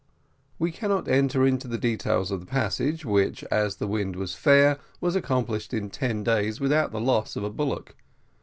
We cannot enter into the details of the passage, which, as the wind was fair, was accomplished in ten days without the loss of a bullock.